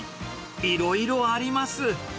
いろいろあります。